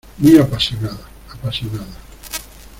muy apasionada. apasionada .